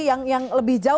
yang lebih jauh